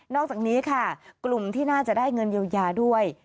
อกจากนี้ค่ะกลุ่มที่น่าจะได้เงินเยียวยาด้วย